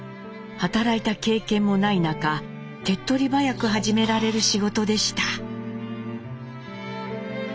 働いた経験もない中手っとり早く始められる仕事でした。